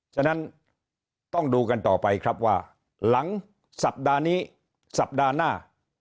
ฉะนั้นต้องดูกันต่อไปครับว่าหลังสัปดาห์นี้สัปดาห์หน้า